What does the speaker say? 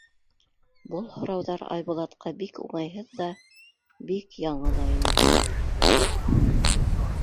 Был һорауҙар Айбулатҡа бик уңайһыҙ ҙа, бик яңы ла ине.